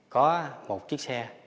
có một chiếc xe